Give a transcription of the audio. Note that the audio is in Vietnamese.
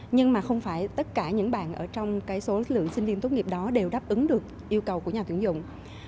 nhưng mà không phải tất cả những bạn ở trong cái số lượng sinh viên tốt nghiệp đó đều đáp ứng được yêu cầu của nhà tuyển dụng